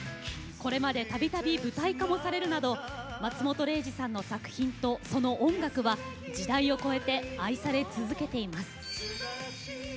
これまで度々舞台化もされるなど松本零士さんの作品とその音楽は時代を超えて愛され続けています。